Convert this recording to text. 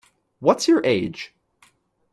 What's your age?